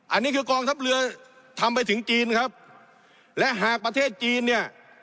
อันนี้คือกองทัพเรือทำไปถึงจีนครับและหากประเทศจีนเนี่ย